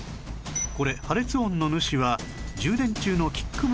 これ破裂音の主は充電中のキックボード